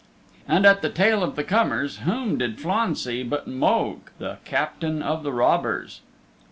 And at the tail of the comers whom did Flann see but Mogue, the Captain of the Robbers!